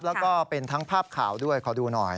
แล้วก็เป็นทั้งภาพข่าวด้วยขอดูหน่อย